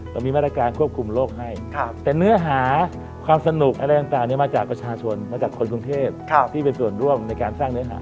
เรามีมาตรการควบคุมโรคให้แต่เนื้อหาความสนุกอะไรต่างมาจากประชาชนมาจากคนกรุงเทพที่เป็นส่วนร่วมในการสร้างเนื้อหา